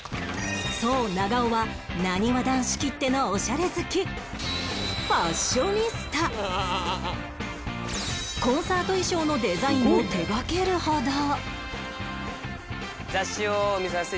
そう長尾はなにわ男子きってのオシャレ好きコンサート衣装のデザインを手がけるほど